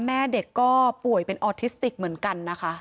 แม่เด็กก็ป่วยเป็นออทิสติกเหมือนกันนะคะ